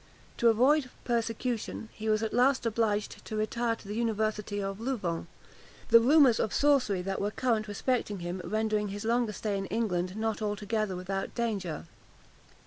To avoid persecution, he was at last obliged to retire to the university of Louvain; the rumours of sorcery that were current respecting him rendering his longer stay in England not altogether without danger.